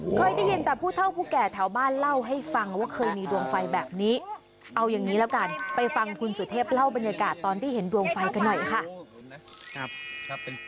เคยได้ยินแต่ผู้เท่าผู้แก่แถวบ้านเล่าให้ฟังว่าเคยมีดวงไฟแบบนี้เอาอย่างนี้แล้วกันไปฟังคุณสุเทพเล่าบรรยากาศตอนที่เห็นดวงไฟกันหน่อยค่ะ